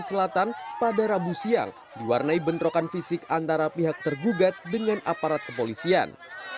selatan pada rabu siang diwarnai bentrokan fisik antara pihak tergugat dengan aparat kepolisian